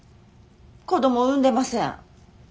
子供産んでません。